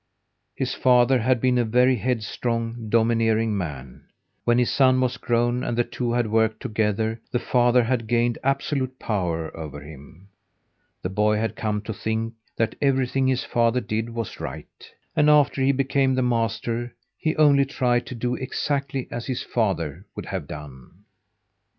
His father had been a very headstrong, domineering man. When his son was grown and the two had worked together, the father had gained absolute power over him. The boy had come to think that everything his father did was right, and, after he became the master, he only tried to do exactly as his father would have done.